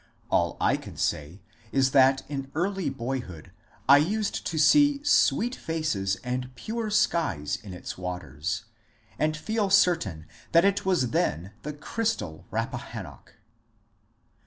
All I can say is that in early boyhood I used to see sweet faces and pure skies in its waters, and feel certain that it was then the crystal Rappahannock.